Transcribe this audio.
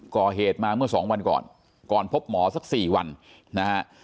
ก่อเหตุมาเมื่อสองวันก่อนก่อนพบหมอสัก๔วันนะฮะ